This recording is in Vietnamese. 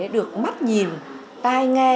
được mắt nhìn tai nghe